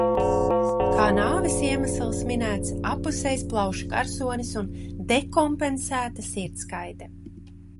"Kā nāves iemesls minēts "abpusējs plaušu karsonis un dekompensēta sirdskaite"."